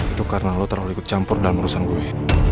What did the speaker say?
itu karena lo terlalu ikut campur dalam urusan gue